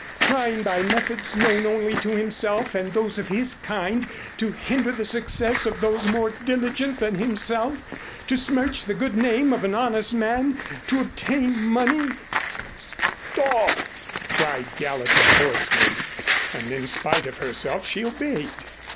Trying by methods known only to himself and those of his kind to hinder the success of those more diligent than himself, to smirch the good name of an honest man, to obtain money " "Stop," cried Gallatin hoarsely, and in spite of herself she obeyed.